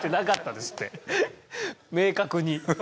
明確に。